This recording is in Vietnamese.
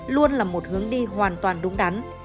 luôn là một hướng đi hoàn toàn đúng đắn